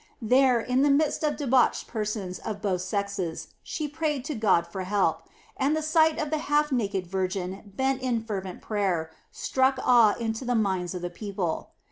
There, in the midst of debauched persons of both sexes, she prayed to God for help, and the sight of the half naked virgin bent in fervent prayer struck awe into the minds of the people.